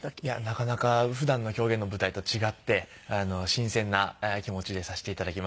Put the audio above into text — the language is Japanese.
なかなか普段の狂言の舞台と違って新鮮な気持ちでさせて頂きました。